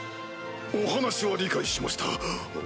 お話は理解しました。